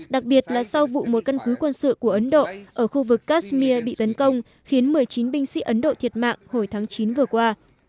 đặc biệt là sau vụ một căn cứ quân sự của ấn độ ở khu vực kashmir bị tấn công khiến một mươi chín binh sĩ ấn độ thiệt mạng hồi tháng chín vừa qua